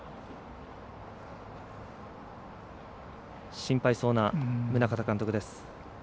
心配そうな宗像監督です。